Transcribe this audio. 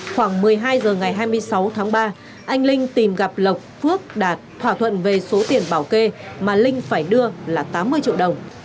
khoảng một mươi hai h ngày hai mươi sáu tháng ba anh linh tìm gặp lộc phước đạt thỏa thuận về số tiền bảo kê mà linh phải đưa là tám mươi triệu đồng